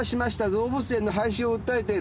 動物園の廃止を訴えている。